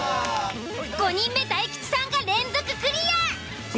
５人目大吉さんが連続クリア。